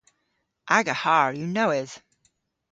Aga harr yw nowydh.